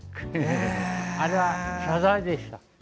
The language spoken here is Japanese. あれは謝罪でした。